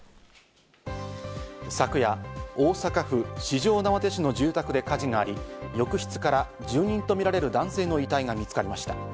昨夜、大阪府四條畷市の住宅で火事があり、浴室から住人とみられる男性の遺体が見つかりました。